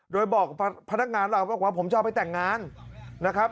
โดยบอกพนักงานเราบอกว่าผมจะเอาไปแต่งงานนะครับ